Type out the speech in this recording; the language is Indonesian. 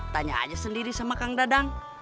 tanya aja sendiri sama kang dadang